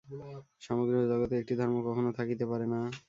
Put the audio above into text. সমগ্র জগতে একটি ধর্ম কখনও থাকিতে পারে না।